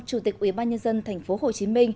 chủ tịch ủy ban nhân dân tp hcm